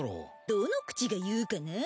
どの口が言うかなぁ。